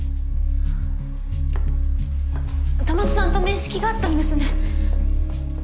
戸松さんと面識があったんですね。